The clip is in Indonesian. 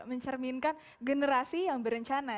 mencerminkan generasi yang berencana